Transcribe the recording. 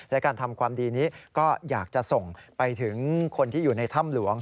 และการทำความดีนี้ก็อยากจะส่งไปถึงคนที่อยู่ในถ้ำหลวง